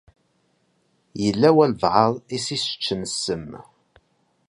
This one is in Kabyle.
Yella walebɛaḍ i s-iseččen ssem.